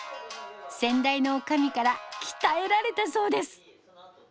先代の女将から鍛えられたそうです。